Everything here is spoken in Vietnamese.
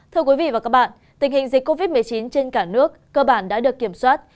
thưa quý vị và các bạn tình hình dịch covid một mươi chín trên cả nước cơ bản đã được kiểm soát